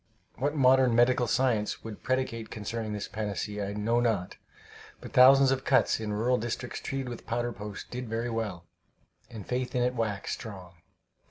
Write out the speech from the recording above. What modern medical science would predicate concerning this panacea, I know not, but thousands of cuts in rural districts treated with powder post did very well, and faith in it waxed strong.